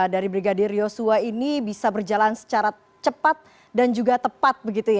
dari brigadir yosua ini bisa berjalan secara cepat dan juga tepat